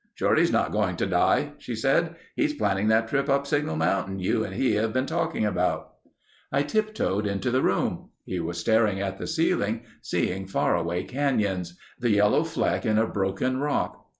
"Shorty's not going to die," she said. "He's planning that trip up Signal Mountain you and he have been talking about." I tiptoed into the room. He was staring at the ceiling, seeing faraway canyons; the yellow fleck in a broken rock.